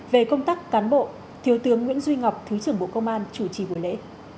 về công tác cán bộ thiếu tướng nguyễn duy ngọc thứ trưởng bộ công an chủ trì buổi lễ